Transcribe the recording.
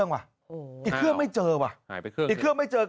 กะลาวบอกว่าก่อนเกิดเหตุ